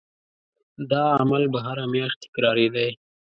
دا عمل به هره میاشت تکرارېدی.